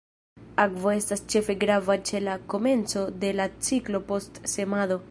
Akvo estas ĉefe grava ĉe la komenco de la ciklo, post semado.